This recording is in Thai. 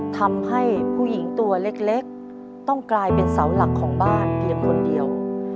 ทำให้ผู้หญิงตัวเล็กต้องกลายเป็นเสาหลักของบ้านเพียงคนเดียว